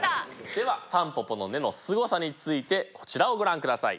ではタンポポの根のすごさについてこちらをご覧ください。